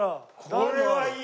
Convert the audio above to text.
これはいい。